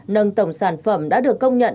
nâng tổng sản phẩm đã được công nhận